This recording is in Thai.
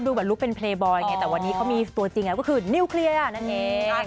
ดูแบบลูกเป็นเพลย์บอลอย่างเงี้ยแต่วันนี้เขามีตัวจริงก็คือนิวเคลียร์นั่นเอง